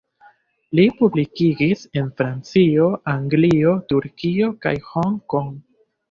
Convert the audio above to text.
Li publikigis en Francio, Anglio, Turkio kaj Hong Kong.